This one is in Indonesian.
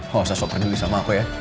kau usah sok kena ini sama aku ya